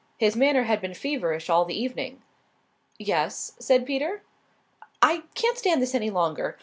His manner had been feverish all the evening. "Yes?" said Peter. "I can't stand this any longer.